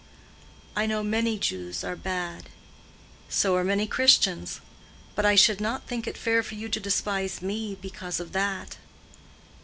"I know many Jews are bad." "So are many Christians. But I should not think it fair for you to despise me because of that."